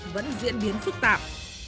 vẫn diễn biến phức tạp